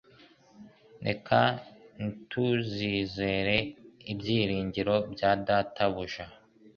Reka ntituzizere ibyiringiro bya data buja